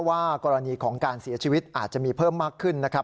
ว่ากรณีของการเสียชีวิตอาจจะมีเพิ่มมากขึ้นนะครับ